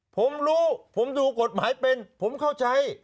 ผมรู้ผมดูกฎหมายเป็นผมเข้าใจ